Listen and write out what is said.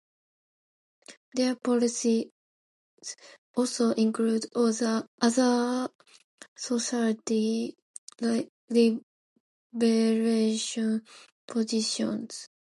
Their policies also include other socially libertarian positions.